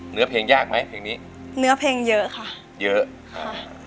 เนื้อเพลงยากไหมเพลงนี้เนื้อเพลงเยอะค่ะเยอะค่ะ